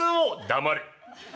「黙れ」。